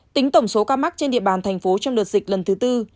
tính tổng số ca mắc trên địa bàn thành phố trong đợt dịch lần thứ tư